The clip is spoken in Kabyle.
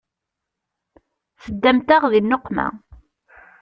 Teddamt-aɣ di nneqma.